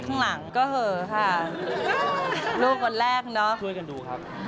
ช่วยกันดูครับ